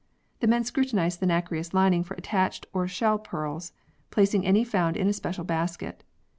The men scrutinize the nacreous lining for attached or shell pearls ; placing any found in a special basket.